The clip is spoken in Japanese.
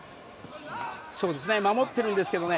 守ってるんですけどね